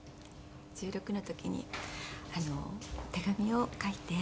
１６の時に手紙を書いてはい